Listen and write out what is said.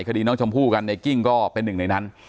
คดีน้องชมพู่กันในกิ้งก็เป็นหนึ่งในนั้น